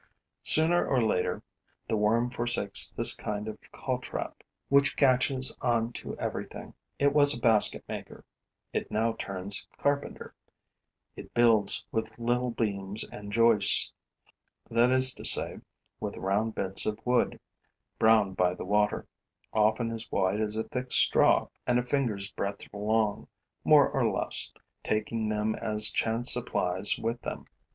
Sooner or later, the worm forsakes this kind of caltrop which catches on to everything. It was a basket maker, it now turns carpenter; it builds with little beams and joists that is to say, with round bits of wood, browned by the water, often as wide as a thick straw and a finger's breadth long, more or less taking them as chance supplies them.